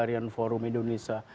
humanitarian forum indonesia